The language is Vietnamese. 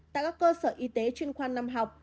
tại các cơ sở y tế chuyên khoan năm học